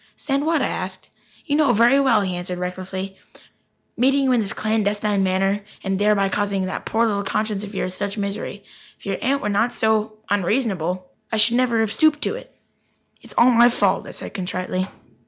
"Stand what?" I asked. "You know very well," he answered recklessly. "Meeting you in this clandestine manner, and thereby causing that poor little conscience of yours such misery. If your aunt were not so unreasonable, I should never have stooped to it." "It is all my fault," I said contritely.